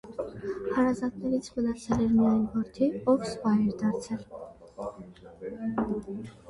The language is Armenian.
Հարազատներից մնացել էր միայն որդին, ով սպա էր դարձել։